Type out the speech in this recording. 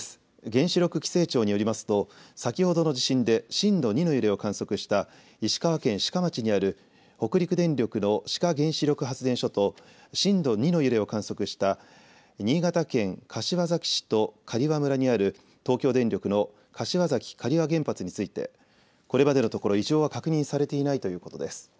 原子力規制庁によりますと先ほどの地震で震度２の揺れを観測した石川県志賀町にある北陸電力の志賀原子力発電所と震度２の揺れを観測した新潟県柏崎市と刈羽村にある東京電力の柏崎刈羽原発についてこれまでのところ異常は確認されていないということです。